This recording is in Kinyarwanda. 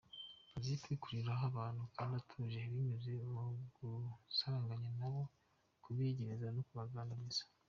Azi kwikururiraho abantu kandi atuje binyuze mu gusaranganya nabo, kubiyegereza no kubaganiriza.